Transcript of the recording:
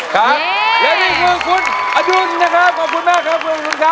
ขอบคุณครับ